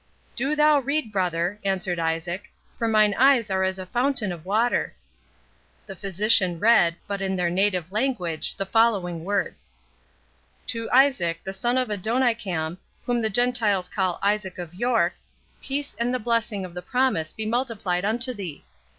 "Do thou read, brother," answered Isaac, "for mine eyes are as a fountain of water." The physician read, but in their native language, the following words:— "To Isaac, the son of Adonikam, whom the Gentiles call Isaac of York, peace and the blessing of the promise be multiplied unto thee!